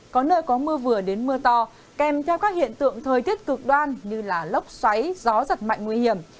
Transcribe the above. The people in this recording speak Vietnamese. có nơi có mưa vừa đến mưa to kèm theo các hiện tượng thời tiết cực đoan như lốc xoáy gió giật mạnh nguy hiểm